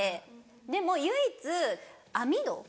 でも唯一網戸。